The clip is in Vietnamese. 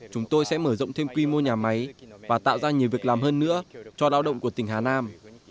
chúng tôi sẽ mở rộng thêm quy mô nhà máy và tạo ra nhiều việc làm hơn nữa cho lao động của tỉnh hà nam